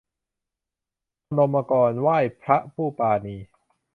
พนมกรไหว้พระผู้ปราณี